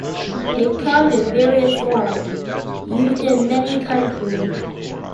It comes in various forms used in many countries.